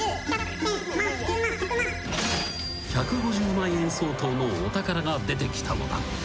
［１５０万円相当のお宝が出てきたのだ］